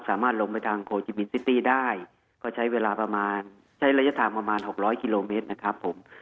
สามารถลงไปทางโคจิบินต์ซิตี้ได้ก็ใช้ระยะฐานประมาณ๖๐๐กิโลเมตรนะครับผม